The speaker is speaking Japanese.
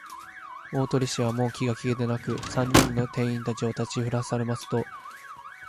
大鳥氏は、もう気が気でなく、三人の店員たちをたちさらせますと、門野支配人とふたりで、大急ぎで畳をあけ、床板をはずし、それから、支配人に